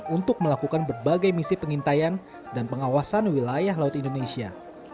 untuk melakukan berbagai misi pengintaian dan pengawasan wilayah laut indonesia